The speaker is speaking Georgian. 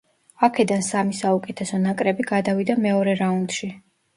აქედან სამი საუკეთესო ნაკრები გადავიდა მეორე რაუნდში.